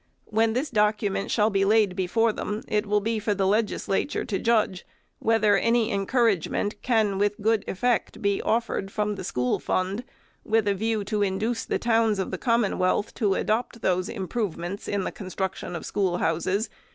When this document shall be laid before them, it will be for the Legislature to judge, whether any encouragement can, with good effect, be of fered from the school fund, with a view to induce the towns of the Commonwealth to adopt those improvements in the construction of schoolhouses.